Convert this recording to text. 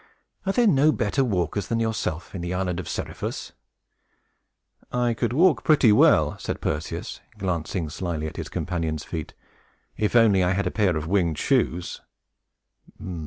Are there no better walkers than yourself in the island of Seriphus?" "I could walk pretty well," said Perseus, glancing slyly at his companion's feet, "if I had only a pair of winged shoes."